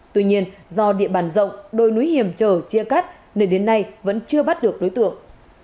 tuy nhiên do địa bàn rộng đồi núi hiểm trở chia cắt nên đến nay vẫn chưa bắt được đối tượng